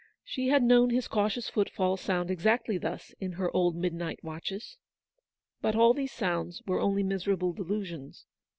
She had known his cautious footfall sound exactly thus in her old midnight watches. But aH these sounds were only miserable delu sions.